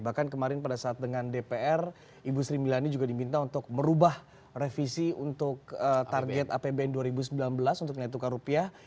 bahkan kemarin pada saat dengan dpr ibu sri milani juga diminta untuk merubah revisi untuk target apbn dua ribu sembilan belas untuk nilai tukar rupiah